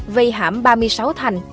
vì hãm ba mươi sáu thành